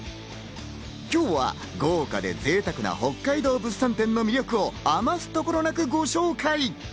今日は豪華でぜいたくな北海道物産展の魅力を余すところなくご紹介。